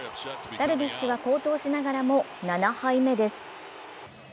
ダルビッシュは好投しながらも７敗目です。